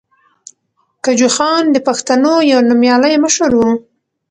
کجوخان د پښتنو یو نومیالی مشر ؤ.